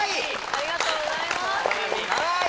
ありがとうございますカワイイ！